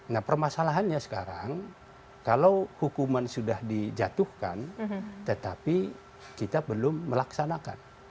nah permasalahannya sekarang kalau hukuman sudah dijatuhkan tetapi kita belum melaksanakan